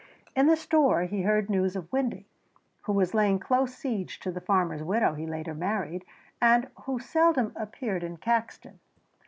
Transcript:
In the store he heard news of Windy, who was laying close siege to the farmer's widow he later married, and who seldom appeared in Caxton.